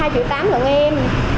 hai triệu tám gần em